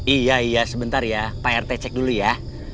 iya iya sebentar ya pak rt cek dulu ya